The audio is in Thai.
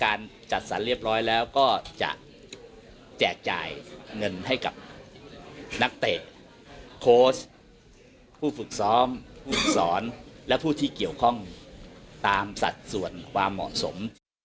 จัดสรรเรียบร้อยแล้วก็จะแจกจ่ายเงินให้กับนักเตะโค้ชผู้ฝึกซ้อมผู้ฝึกสอนและผู้ที่เกี่ยวข้องตามสัดส่วนความเหมาะสม